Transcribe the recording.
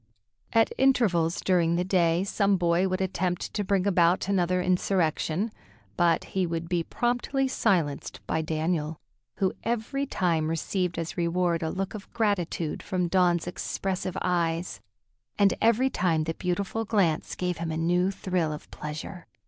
At intervals during the day some boy would attempt to bring about another insurrection, but he would be promptly silenced by Daniel, who every time received as reward a look of gratitude from Dawn's expressive eyes; and every time the beautiful glance gave him a new thrill of pleasure.